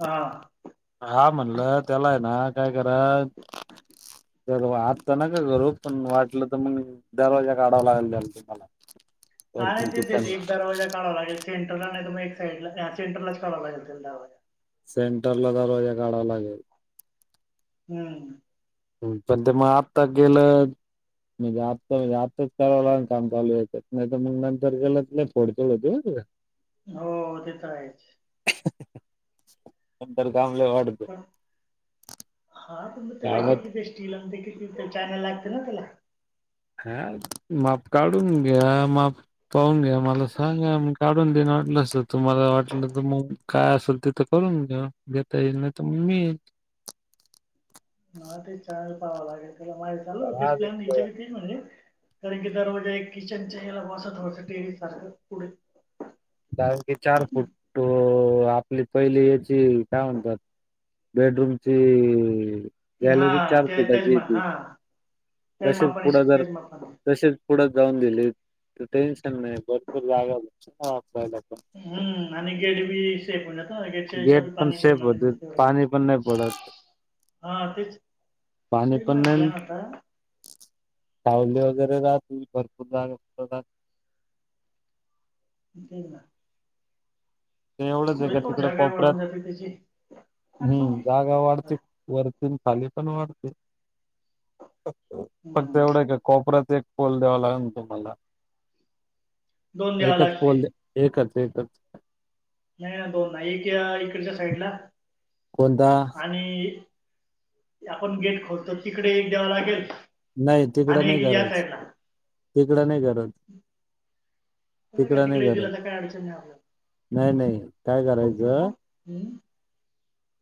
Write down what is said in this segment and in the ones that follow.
हा. हा, म्हणलं त्याला ये ना काय करा दुरवा आत्ता नका करू, पण वाटलं तर मग दरवाजा काढावा लागल त्याला तुम्हाला हा नाही वरतून तीत किचनला एक दरवाजा काढवा लागल, सेंटरला नाही तर मग एक साईड ला, हा सेंटरलाच काढावां लागल त्याला दरवाजा. सेंटरला दरवाजा काढवा लागल. हम्म. ह्म, पण ते मग आत्ता गेलं म्हणजे आत्ता म्हणजे आत्ताच कडावा लागल, काम चालू याच्यात, नाही तर मग नंतर केलं तर लई फोडतड होती बर का. हो, ते तर आहेच. नंतर काम लई वाढल. पण हा पण मग त्याला कामात किती ते स्टील, ते किती चॅनल लागतील ना त्याला. हा माप काढून घ्या, माप पाहून घ्या मला सांगा, म काढून देइन वाटलस तर तुम्हाला वाटलं तर मग. काय असल ते तर करून घ्या, घेता येईल नाही तर मग मी ये ह ते चॅनल पाहावंव लागल त्याला, माझ चाल होत तेच आज प्लॅन [unintelligible] ती म्हणली, कारण की दरवाजा एक किचन याला बसत टेरेस सारखं पुढ कारण की चार फूट अ आपली पहिली याची, काय म्हणता? बेड रूमची हा गॅलरी चार त्या त्याच फुटाची मा ती, हा त्याच तशीच मापाने पुढ जर त्याच मापाने तशीच पुढं जाऊन दिली तरं टेन्शन नाही, भरपूर जागा [unintelligible] वापरायला पण. हम्म आणि गेट बी [unintelligible] प गेट पण पाणी सेफ पडल होते मिळ पाणी पण नाही पडत [unintelligible] हा तेच, पाणी ते पण माया प्लॅन नाही होता. सावली वगैरे राहती, भरपूर जागा [unintelligible] असत. ते ना. तें एवढंच पुढे का तो तिकड जागा कोपऱ्यात, वाढून जाते त्याची हम्म जागा वाढती. वरतुन खाली पण वाढते, फक्त-फक्त हम्म एवढं का कोपऱ्याचा एक पोल द्यावा लागल तुम्हाला, दोन द्याव एकच लागतील पोल दे एकच-एकच. नाइ दोन ना एक इकडच्या साईड ला कोणता? आणि आपण गेट खोलतो, तिकडे एक द्यावा लागेल नही तिकडं आणि नही एक या गरज, साईडला तिकडं नही गरज. [inaudible] त्याला काय तिकडं नाही तिकडय दिला गरज तर काय अडचण नाय नाही नाही काय आपल्याला. करायचं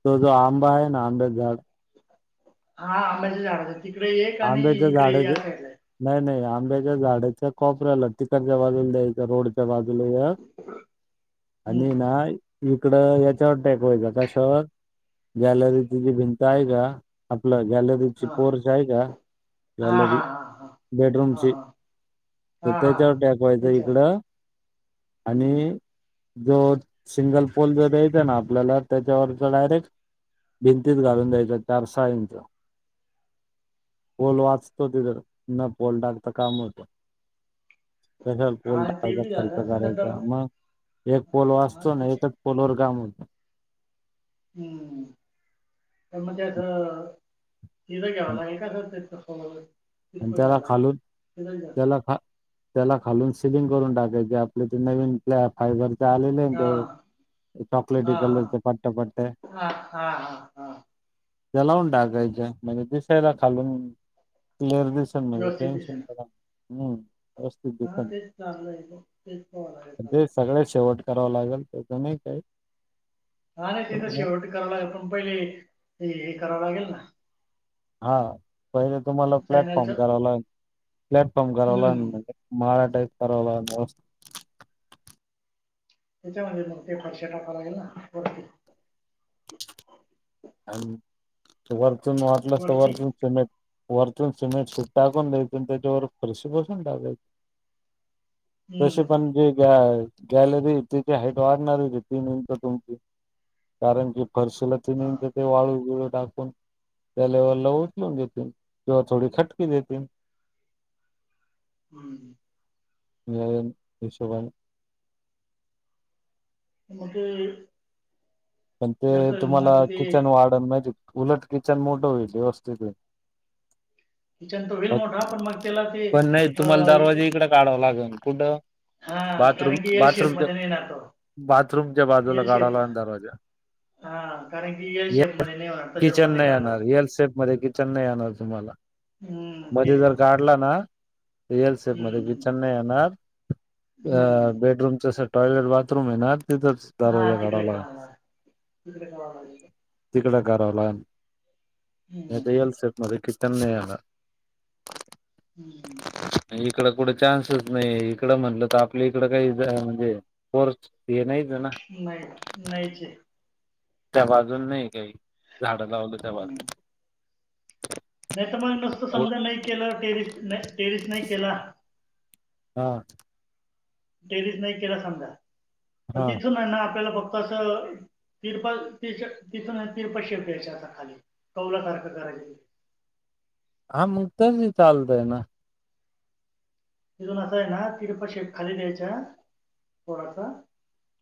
तो जो आंबा आहे ना, आंब्याच झाड? हा आंब्याच्या झाडाक् तिकडे एक आणि इकडे या साईडला. एक नाही-नाही आंब्याच्या झाडाच्या कोपऱ्याला, तिकडच्या बाजूला द्यायचा रोड च्या बाजूला एक आणि हम्म ना इकड याच्यावर टेकवायचा, कशावर गॅलरीची जी भिंत आहे का, आपलं गॅलरीची हा पोर्च आहे का? हा हा गॅलरी, हा हा बेडरूम हा ची? हा तो हा हा त्याच्यावर टेकवायचं त्याच्या इकडं हम्म आणि जो सिंगल पोल जो द्यायचा ना आपल्याला, त्याच्यावरचा डायरेक्ट भिंतीत घालून द्यायचा चार-सहा इंच. पोल वाचतो तिथ, न पोल टाकता काम होतं. कशाला पोल हा टा [unintelligible] ते बी यचा खर्च झालं नंतर करायचा, डब मग एक पोल हा वाचतो ना, ते एक पोलवर काम ह्म पण त्याच असं तथं घ्याव लागेल का, घरच्यांचं फोन [unintelligible] आणि त्याला खालून त्याला खा त्याला खालून सिलिंग करून टाकायचे आपले ते नवीन आपल्या फायबर च आलेले ते हां चॉकलेटी कलरच्या पट्ट्या पट्ट्या. हा हा हा. त्या लावून टाकायच्या म्हणजे दिसायला खालून. क्लिअर दिसल म्हणजे व्यवस्थित टेन्शन गेल हम. हा तेच चांगलंय तेच प आहे चा ते [unintelligible] सगळ्यात शेवट करावं लागेल त्याचं नाही काही. हा नाही तिथं पण शेवटी कराव लागेल पण पहिले हे करावं लागेल ना. हा पहिले तुम्हाला प्लॅटफॉर्म चॅनलचं कराव लागेल प्लॅटफॉर्म करावला हम्म लागेल. माळा टाईप कराव [unintelligible] याच्या मग पेपर शीट आणावं लागील ना. आणि त वरचून वाटलं तर वरती वरच तुम्ही वरतून सिमेंट फिट टाकून द्यायच आणि त्याच्यावर फरशी बसून टाकायच. जसे हम्म पण जे. त्या गॅलरी तिची हाईट वाढणारच आहे तीन इंच तुमची. कारण की फरशीला तीन हां इंच तर ते वाळू बीळू टाकून. त्या लेवला उचलून देतील किंवा थोडी खटकी देतील. हम्म या हिशोबानी. हम. पण ते तुम्हाला ते किचन वाढन माहिती उलट किचन मोठं होईल व्यवस्थित होईल. किचन त होईल मोठा पण मग त्याला ते अ काढाव लागेल कुठं? हां, बाथरूम, कारण की एल बाथरूमच्या शेपमध्ये नाही येणार तो. बाथरूमच्या बाजूला काढाव लागल दरवाजा. हा कारण की येल हे शेपमध्ये नाही होणार त्याच्या किचन रुममध्ये नाही काढला. येणार एल शेप मध्ये चेन्नई येणार तुम्हाला. हम्. मध्ये जर काढला ना यल हं, सेफमध्ये हं. किचन नाही येणार. अ हं. बेडरूमच असं टॉयलेट बाथरूम हाय ना तेच हा तिकडे काम हाय दुसरं [unintelligible] तिकडे करावं लागेल हं, हं. नाहीतर [unintelligible] रेकीस्तान नाही आला. हम्म. इकड कुठे चान्सेच नाही इकड म्हटलं तर आपल्या इकडं काही म्हणजे कोर्स. ते नयत ना. नाही नाही नाहीचे. त्या बाजून नाही काही झाडं लावलं त्या बाजून. नाही तर मग नसत समजा नाही केलं टेरिस टेरिस नाही केला. हा टेरिस नाही केला समजा तर हा तिथून आहे ना आपल्याला [unintelligible] तस तिरप [unintelligible] कौला सारखं करायचं. हा मग तल्ली चालतंय ना. तिथून असं आहे ना तिरपा शेप खाली द्यायच्या थोडासा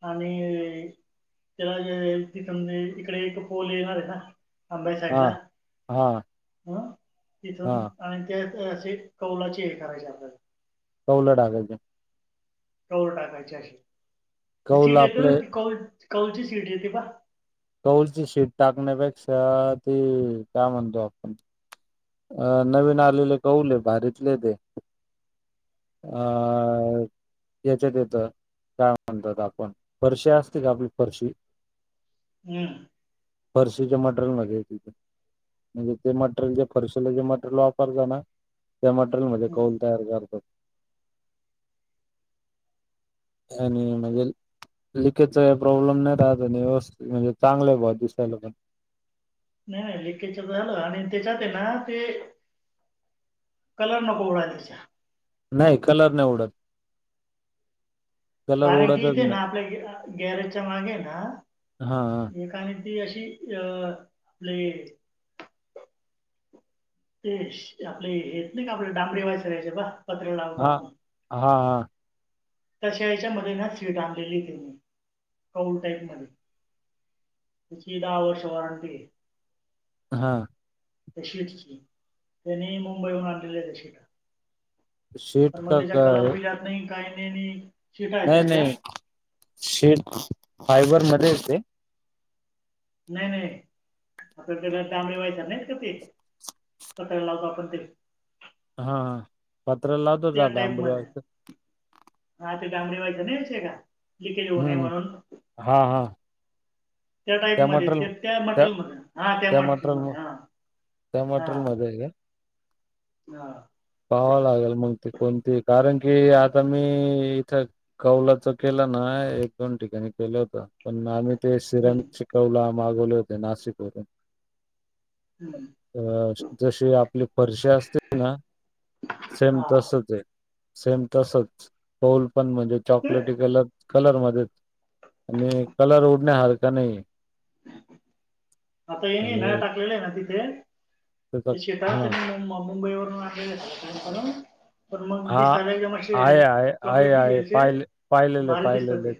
आणी त्याला जे [unintelligible] इकडे एक पोल येणार ये ना आंबे साईडला हां, हां, अ तिथून. हां. आणि ते अशी कौलाची हीर करायची आपल्याला. कौल डाल. कौल टाकायची अशी, ती कौल सीट येतं आपले ना ती कौ कौलची सीट येते ना? कौलची शीट टाकण्यापेक्षा ती काय म्हणतो आपण. अ नवीन आलेले कौले हे भारीतले हे ते. अ याच्यात येत काय म्हणतात आपण फरशी असते का आपली फरशी हम्म फरशीच्या मटरेल मध्ये येत ते आणि ते मटेरियल फरशीला जे मटरेल वापरताना त्या मटेरियलमध्ये कौल हम्म तयार आणि म्हणजे लिकेजचा प्रॉब्लेम नाही राहत आणी व्यवस्थित मझी चांगलं आहे बाबा दिसायला पण. नाय लीकेज झालं आणि त्याच्याात आहे ना ते कलर नको उडायला. नाय कलर नाही उडत. कलर कारण की उडतच इथे नाही. ना आपल्या गॅरेजच्या मागे ना हां, एक कारण ती अशी अ आपले [unintelligible] ते आपले येत ना का आपल्या डांबरी व्हायचं जेव्हा पत्रे लावायचो हां, आपण. हां हा तशा याच्या मध्ये ना सीट आणलेली त मी कौल टाईप मध्ये तिची दहा वर्ष वारंटी हे. हा त्या शीटची त्यांनी मुंबईहून आणलेली हाय शीटा. शीट पण मग का त्याच्या काय? कलर भी जात नाही काय नाही नी. नाही नाही शीट फायबर मध्ये येते. नाय नाय आपली केस तांबडी व्हायचा झालीत का ती? पत्राला लावतो आपण तिला. हा हां पत्र्याला त्या टाईप मध्ये लावतो. हा ते डांबरी लिकेज् होऊ नये म्हणून. हा, हा. त्या टाईपमध्ये, त्या मटेरियलमध्ये हा त्या मटेरियलमध्ये हा, त्या हा. मटेरियलमध्ये आहे का? हा पाहावं लागेल मग ते कोणती कारण की आता मी इथं कौलाच केलं ना एक दोन ठिकाणी केलं होत. पण आम्ही ते हम्म सिरॅमिकच कौल मागवले होते नाशिक वरून. हम्म अ जसे आपली फरशी असते ना, सेम हा तसच हे सेम तसच कौल पण म्हणजे ते चॉकलेटी कलर कलर मध्येच आणी कलर उडण्यासारखं नाही. आता ये न म्हणजे टाकलेला आहे ना तिथे त्याचा ते शेतात हा मुंबई वरून आणलेलं हा आहे आहे आहे चॉकलेटी आहे असे पाहिले पाहिलेले भारी दिसतात पाहिलेले ते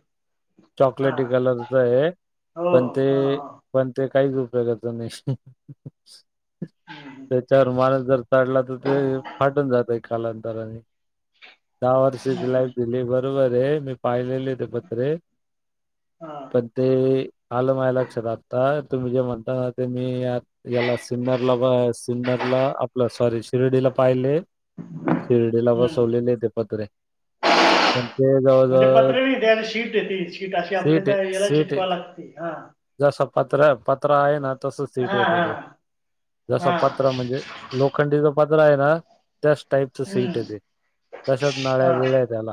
हा चॉकलेटी कलरच आहे हो पण ते, हा हा पण ते काहीच उपयोगाच नाही. हा [unintelligible] त्याच्यावर माणस जर चढला तर ते फाटून जातय कालांतरा आणि दहा हम्म, वर्षाची हम्म, लाईफ दिली बरोबर आहे. मी पाहिलेले ते पत्रे हा, पण ते आलं माझ्या लक्षात आता तुम्ही जे म्हणता ते याला सिंदरला ब सिंदरला सॉरी शिर्डीला पाहिले शिर्डीला हम्म बसवलेले ते पत्रे, तर ते म्हणजे जवळजवळ, पत्रे नाही शीट येते शीट अशी आपल्या याला चिटकावी लागते हा जस पत्र पत्रा आहे ना तस सीट हा येत हा ते - जस पत हा पत्रा म्हणजे लोखंडीच पत्रा हे ना त्याच टाईपच हम्म सीट येतय तशाच नळ्या हा बिळ्याआहेत त्याला.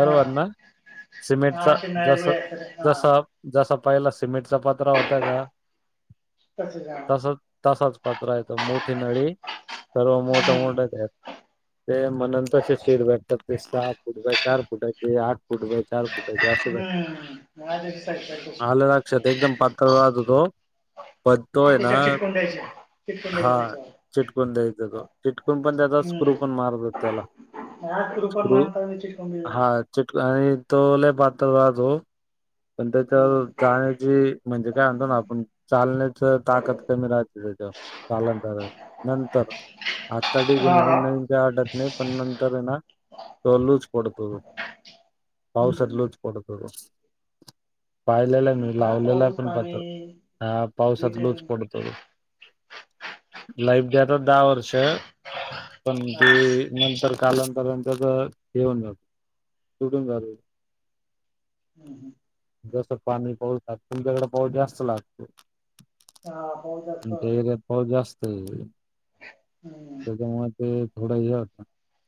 हा ना. हा सिमेंटचा असे नळ्या जस बिळ्या असतात हा जस जस पहिलं सिमेंटच पत्रा होता का? तस का? तसच तसाच पत्रा येतो मोठी नळी सर्व मोठ हम्म मोठच आहेत ते म्हणून शिट भेटत्यात. ते सहा फुटबाय चार फुटाची, आठ - - फुट बाय चार फुटाची अशी भेटत्यात. हम्म आज त्याच्यात आलं लक्षात एकदम पातळ [unintelligible] तो. पण तो हे ना, चिटकून द्यायचे चिटकून हा. द्यायचे त्याच्यावर चिटकुन द्यायच का? चिटकुन पण द्यायचा, स्क्रू पण मार [unintelligible] त्याला. आठशे रुपये स्क्रू माणसांची [unintelligible] हा चिटक आणि तो लय पातळ राहतो. पण त्याच्यावर हम्म जाण्याची म्हणजे काय म्हणतो ना आपण चालण्याच ताकद कमी राहते त्याच्यावर, कालांतराने नंतर. आत्ता ठिके हा हा नवीन नवीन काय वाटत नाही पण नंतर हे ना तो लूच पडतो. पावसाात हम्म लूच पडतो. पाहिलेलाय हम्म मि हा लावलेला पाऊस पण पाणी पत्रा ह पावसात वीट लूच हा पडतो. लाईफ जातात दहा वर्ष, पण ते नंतर - - कालांतरांतच घेऊन जातो. सुटून जातो. हम्, हम. जसं पाणी पाऊस लागत, तुमच्याकडे पाऊस जास्त लागतो. हा पाऊस जास्त तुमच्या लागतो इकडे. एरियात पाऊस जास्त आहे इकडे. हम्म. त्यामुळे ते थोडं हे होत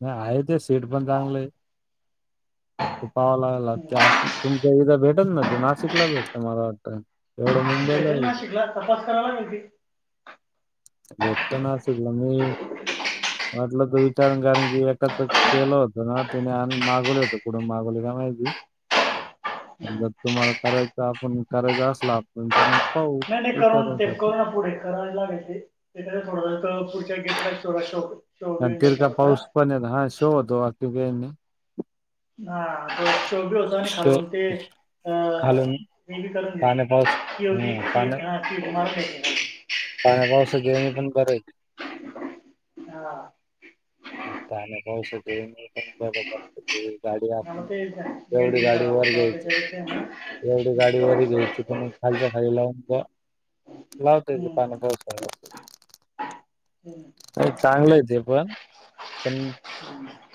आहे, ते सीट पण चांगलंये. ते पावं लागला ते आ हम्म तुमच्या इथ भेटत ना ते नाशिकला भेटत मला वाटत. एवढ म भेटल ना शिकल तपास करावा लागेली. भेटतो ना [unintelligible] म्हटलं तर विचारण कारण की एकाच केलं होतं ना, त्याने आणुन मागवले होत. कुठून मागवले काय माहिती. [inaudible] जर तुम्हाला करायचं आपण करायचं असल आपण तर मग - - नाही नाही करून ते करू ना पुढे. करायला मिळे त्याच्या थोडस पुढच्या गेटकडे सोडवायचं होत. आणि तिर का पाऊस पण हेना हां शेव होतो, [unintelligible] हा, सेव बि होतो आणि शो खालून ते अ- - खालून पि ओ पि करून देतो, पाण्या पाऊस पि ओ पि हम्म [unintelligible] हं [unintelligible] सगळ्या पण बर हाईत. हा. पाण्या पावसाच, ह आल तेच ना. गेट एवढी गाडी खराब वर होत घ्यायची ते एवढी गाडी वर घ्यायची तर मग [inaudible] खालच्या खाली लावून ठिवा. लावते ते हम्म पानपा [unintelligible] हं. नाही, चांगलंय ते पण,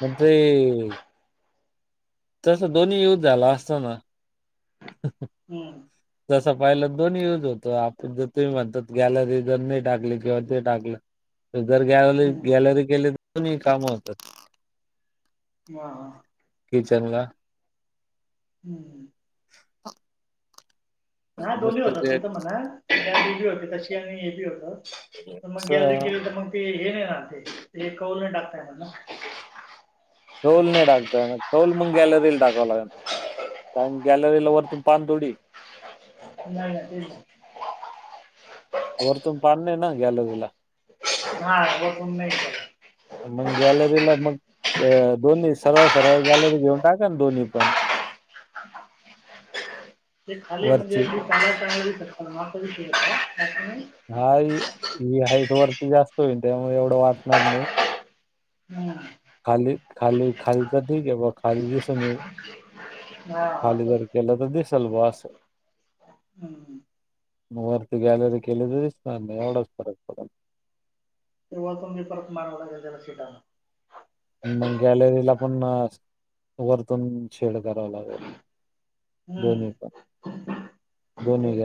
पण ते तस दोन्ही युज झाला असत ना, ह, जसं पाहिलं दोनही यूज होतो, आपण जर तुमही म्हणतात, गॅलरीत जर नाही टाकली किंवा ते टाकलं त - - जर गॅलरी, गॅलरी गेली दोनही काम होतात. हा,,, किचन ला, हम्म, हा,, हा,, दोन्ही होतात, ते तर म्हणाऽ गॅलरी बी होती तशी,, आणि हे बी होत,, तर मग गॅलरी असं केली तर मगऽ ते हेन नाइ रात ते,, अ ते कौल टाकता एनार ना, ठोल नाही टाकतय ना,, ठोल मग गेलरीला टाकावाव लागेल, गॅलरी ला वरतून पान तोडीऽ नाही, नाही तेच,, वरतून पाडणे ना,, गेलरीला हा,, बेडरूम ला मळतऽ मग, गॅलरीला मगऽ अ दोन्ही सरळ, सरळ गेलेरी घेऊन टाका ना दोन्ही पण, ह, ते खाली वरची म्हणजे, चांगांग शकत आसा विषयऽ हा, ही, हाईट वरती जास्त होईल, त्यामुळे एवढं वाटणार नाही, हम्, खाली, खाली, खाली तर क खाली, दिस हा खाली असं जर, गेला तर दि स्ल वासऽ हम् हम,, मग वरती गॅलरी केली तरीच नाही, एवढाच फरक पडलऽ तेव्हा तु मी परत मारवडला गे शीटालाऽ मग गॅलरी ला पण,, वरतूनऽ ेड करा लागल,, दो्नीचा, हम्म पण दो्नीऽ